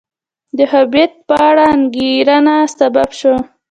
د وهابیت په اړه انګېرنه سبب شو